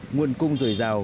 nguồn cung rồi giàu